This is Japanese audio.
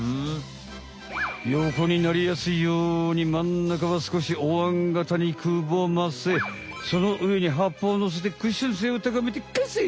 よこになりやすいように真ん中はすこしおわんがたにくぼませそのうえに葉っぱをのせてクッション性を高めてかんせい！